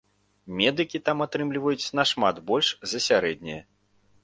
Медыкі там атрымліваюць нашмат больш за сярэдняе.